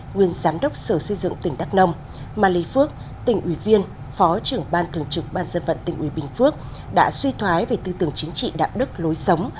nguyên giám đốc sở xây dựng tỉnh đắk nông mà lê phước tỉnh ủy viên phó trưởng ban thường trực ban dân vận tỉnh ủy bình phước đã suy thoái về tư tưởng chính trị đạo đức lối sống